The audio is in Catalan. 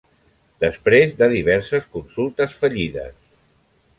Després de diverses consultes fallides.